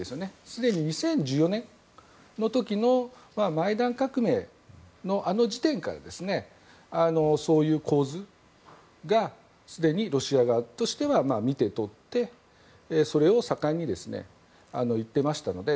すでに２０１４年の時の革命のあの時点から、そういう構図がすでにロシア側としては見て取って、それを盛んに言っていましたので。